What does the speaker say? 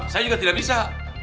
saya juga tidak bisa